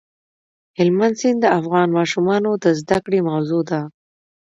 هلمند سیند د افغان ماشومانو د زده کړې موضوع ده.